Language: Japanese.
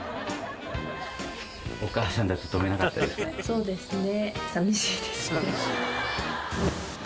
そうですね。